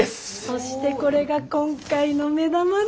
そしてこれが今回の目玉の。